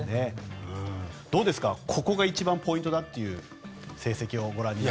どうですかここが一番ポイントだという成績をご覧になって。